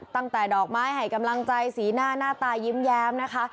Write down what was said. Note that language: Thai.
ดอกไม้ให้กำลังใจสีหน้าหน้าตายิ้มแย้มนะคะ